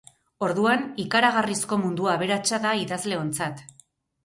Orduan, ikaragarrizko mundu aberatsa da idazleontzat.